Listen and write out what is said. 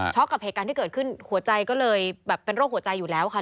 กับเหตุการณ์ที่เกิดขึ้นหัวใจก็เลยแบบเป็นโรคหัวใจอยู่แล้วค่ะ